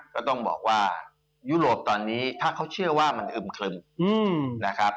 ก็ต้องบอกว่ายุโรปตอนนี้ถ้าเขาเชื่อว่ามันอึมครึมนะครับ